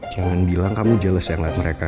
jangan bilang kamu jelez ya ngeliat mereka